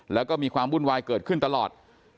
แล้วก็มีความวุ่นวายเกิดขึ้นตลอด